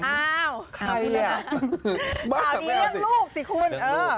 ข่าวดีเลือกลูกสิคุณ